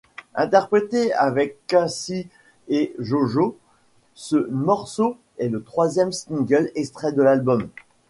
Interprété avec K-Ci & JoJo, ce morceau est le troisième single extrait de l'album.